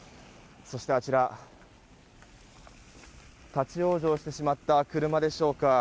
そして、あちら立ち往生してしまった車でしょうか。